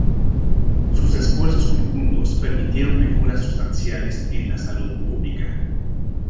Sus esfuerzos conjuntos permitieron mejoras sustanciales en la salud pública.